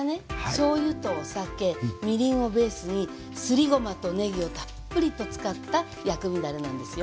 しょうゆとお酒みりんをベースにすりごまとねぎをたっぷりと使った薬味だれなんですよ。